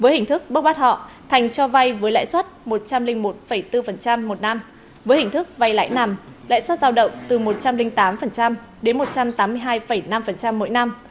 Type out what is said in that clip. với hình thức bốc bắt họ thành cho vay với lãi suất một trăm linh một bốn một năm với hình thức vay lãi nặng lãi suất giao động từ một trăm linh tám đến một trăm tám mươi hai năm mỗi năm